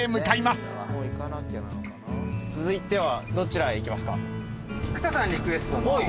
続いてはどちらへ行きますか？